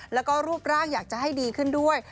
แล้วก็รูปร่างอยากจะให้ดีขึ้นด้วย